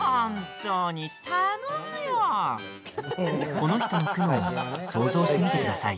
この人の苦悩を想像してみてください。